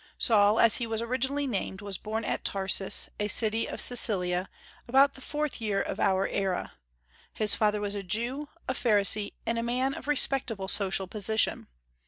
Saul, as he was originally named, was born at Tarsus, a city of Cilicia, about the fourth year of our era. His father was a Jew, a pharisee, and a man of respectable social position.